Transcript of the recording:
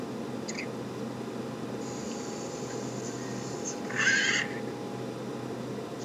该物种的模式产地在俄罗斯乌里扬诺夫斯克。